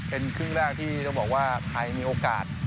เป็นครึ่งแรกที่ต้องบอกว่าไทยมีโอกาส